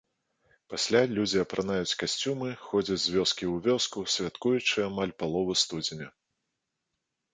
Пасля людзі апранаюць касцюмы, ходзяць з вёскі ў вёску, святкуючы амаль палову студзеня!